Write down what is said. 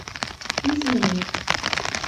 изинек...